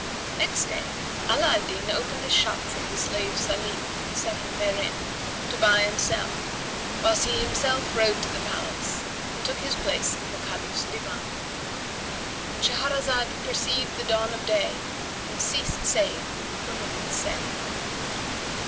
Next day, Ala al Din opened a shop for his slave Salim and set him therein, to buy and sell, whilst he himself rode to the palace and took his place in the Caliph's Divan.—And Shahrazad perceived the dawn of day and ceased saying her permitted say.